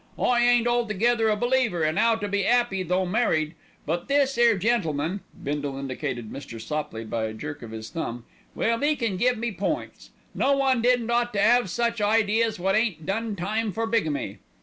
I ain't altogether a believer in 'ow to be 'appy though married; but this 'ere gentleman (Bindle indicated Mr. Sopley by a jerk of his thumb) well, 'e can give me points. No one didn't ought to 'ave such ideas wot ain't done time for bigamy.